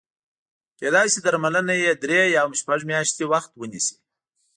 کېدای شي درملنه یې درې یا هم شپږ میاشتې وخت ونیسي.